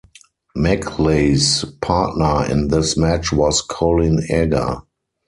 Mackley's partner in this match was Colin Egar.